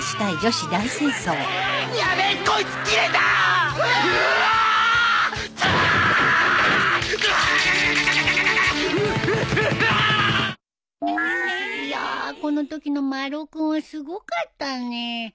いやあこのときの丸尾君はすごかったね。